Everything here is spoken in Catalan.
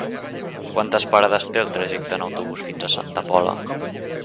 Quantes parades té el trajecte en autobús fins a Santa Pola?